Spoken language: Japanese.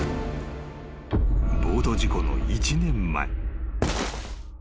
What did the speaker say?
［ボート事故の１年前］